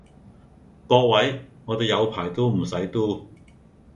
各位，我地有排都唔使 do